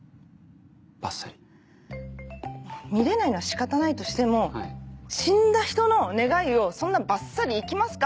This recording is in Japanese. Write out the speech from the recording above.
バッサリ？見れないのは仕方ないとしても死んだ人の願いをそんなバッサリいきますか？